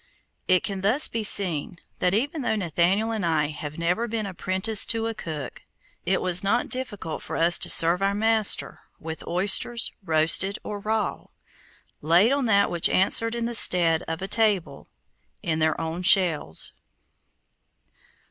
It can thus be seen that even though Nathaniel and I had never been apprenticed to a cook, it was not difficult for us to serve our master with oysters roasted or raw, laid on that which answered in the stead of a table, in their own shells.